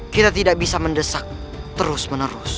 kau tidak akan bisa mahu